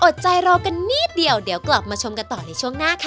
อดใจรอกันนิดเดียวเดี๋ยวกลับมาชมกันต่อในช่วงหน้าค่ะ